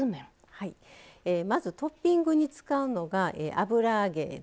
まずトッピングに使うのが油揚げですね。